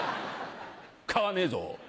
買わねえぞ」。